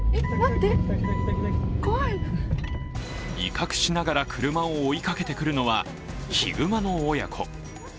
威嚇しながら車を追いかけてくるのはヒグマの親子。